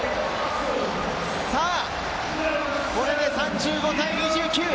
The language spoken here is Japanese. これで３５対２９！